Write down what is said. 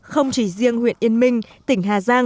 không chỉ riêng huyện yên minh tỉnh hà giang